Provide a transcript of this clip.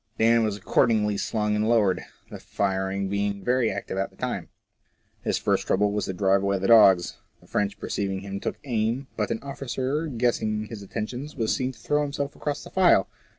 Dan was accordingly slung and lowered, the firing being very active at the time. His first trouble was to drive away the dogs. The French perceiving him took aim, but an officer guessing his intentions, was seen to throw himself across the file.